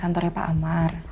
kantornya pak amar